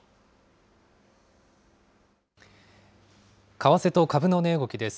為替と株の値動きです。